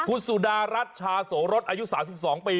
คุณสุดารัชชาโสรสอายุ๓๒ปี